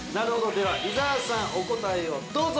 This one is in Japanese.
では伊沢さん、お答えをどうぞ！